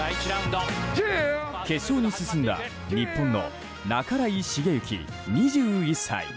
決勝に進んだ日本の半井重幸、２１歳。